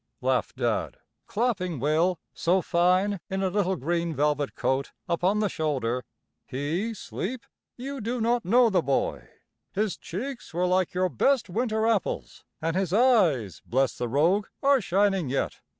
laughed Dad, clapping Will, so fine in a little green velvet coat, upon the shoulder. "He sleep! You do not know the boy. His cheeks were like your best winter apples, an' his eyes, bless the rogue, are shining yet.